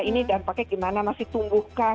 ini dampaknya gimana masih tumbuhkah